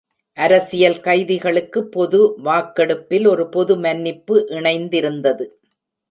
அரசியல் கைதிகளுக்கு பொது வாக்கெடுப்பில் ஒரு பொது மன்னிப்பு இணைந்திருந்தது.